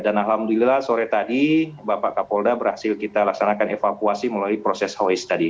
alhamdulillah sore tadi bapak kapolda berhasil kita laksanakan evakuasi melalui proses hois tadi